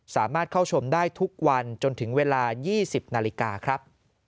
สามารถเข้าชมได้ทุกวันจนถึงเวลา๒๐นาฬิกาครับ